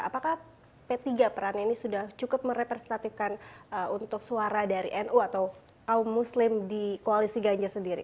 apakah p tiga peran ini sudah cukup merepresentatifkan untuk suara dari nu atau kaum muslim di koalisi ganjar sendiri